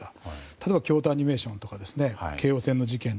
例えば京都アニメーションとか京王線の事件。